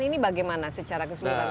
ini bagaimana secara keseluruhan